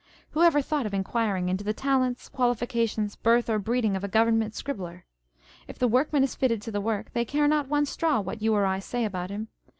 Who ever thought of inquiring into the talents, qualifications, birth, or breeding of a Government scribbler ? If the workman is fitted to the work, they care not one straw what you or I say about him.